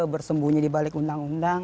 bersembunyi di balik undang undang